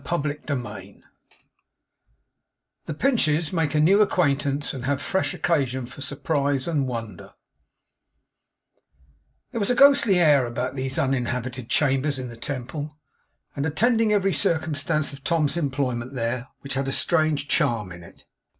CHAPTER FORTY THE PINCHES MAKE A NEW ACQUAINTANCE, AND HAVE FRESH OCCASION FOR SURPRISE AND WONDER There was a ghostly air about these uninhabited chambers in the Temple, and attending every circumstance of Tom's employment there, which had a strange charm in it.